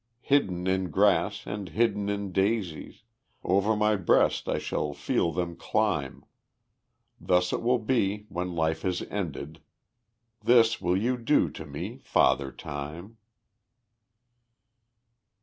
Hidden in grass and hidden in daisies, Over my breast I shall feel them climb, Thus it will be when life has ended; This will you do to me, Father Time.